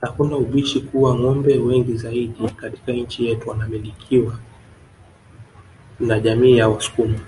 Hakuna ubishi kuwa ngombe wengi zaidi katika nchi yetu wanamilikiwa na jamii ya wasukuma